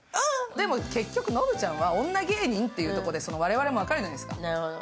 でも、結局のぶちゃんは女芸人というところで我々も分かるじゃないですか。